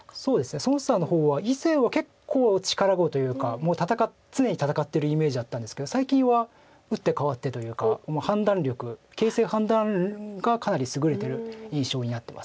孫さんの方は以前は結構力碁というかもう常に戦ってるイメージあったんですけど最近は打って変わってというか判断力形勢判断がかなり優れてる印象になってます。